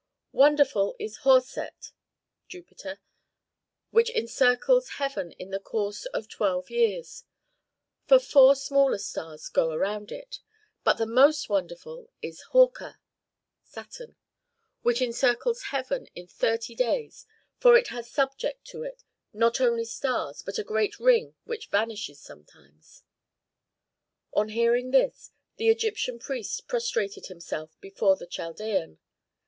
"Wonderful is Hor set, which encircles heaven in the course of twelve years; for four smaller stars go around it. But the most wonderful is Horka, which encircles heaven in thirty years; for it has subject to it not only stars, but a great ring which vanishes sometimes." Jupiter. Saturn. On hearing this, the Egyptian priest prostrated himself before the Chaldean.